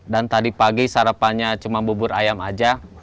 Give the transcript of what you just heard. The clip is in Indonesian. dan tadi pagi sarapannya cuma bubur ayam aja